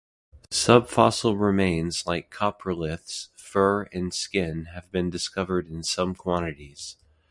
Subfossil remains like coproliths, fur and skin have been discovered in some quantities.